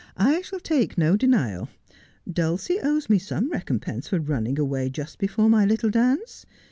' I shall take no denial. Dulcie owes me some recompense for running away just before my little dance.